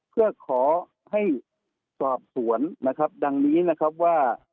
เพื่อขอให้สอบสวนนะครับดังนี้นะครับว่า